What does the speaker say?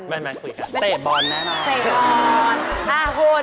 เตะบอลแม่มาก